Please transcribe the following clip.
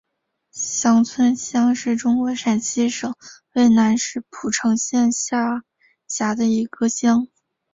翔村乡是中国陕西省渭南市蒲城县下辖的一个乡。